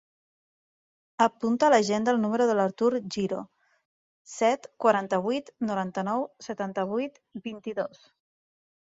Apunta a l'agenda el número de l'Artur Giro: set, quaranta-vuit, noranta-nou, setanta-vuit, vint-i-dos.